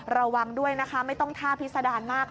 ระวังด้วยนะคะไม่ต้องท่าพิษดารมาก